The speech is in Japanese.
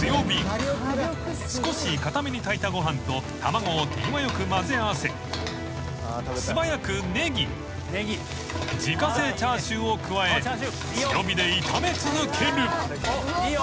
［少し硬めに炊いたご飯と卵を手際よくまぜ合わせ素早くネギ自家製チャーシューを加え強火で炒め続ける］